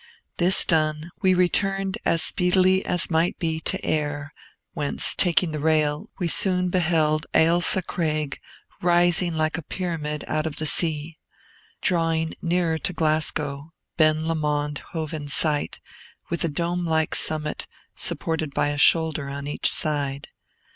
This done, we returned as speedily as might be to Ayr, whence, taking the rail, we soon beheld Ailsa Craig rising like a pyramid out of the sea. Drawing nearer to Glasgow, Bell Lomond hove in sight, with a dome like summit, supported by a shoulder on each side.